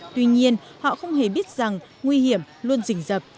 tuy nhiên họ không hề biết rằng nguy hiểm luôn dình dập